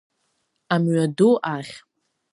Амҩаду ахь!